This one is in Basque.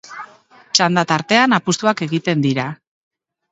Txanda tartean apustuak egiten dira.